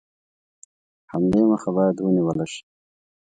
حملې مخه باید ونیوله شي.